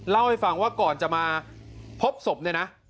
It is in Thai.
เล่าให้ฟังว่าก่อนจะมาพบศพเนี่ยนะ